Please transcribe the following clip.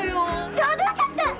ちょうどよかった。